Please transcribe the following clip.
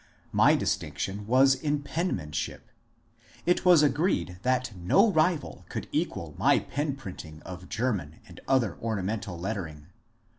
My distinction was in pen manship ; it was agreed that no rival could equal my pen printing of German and other ornamental lettering.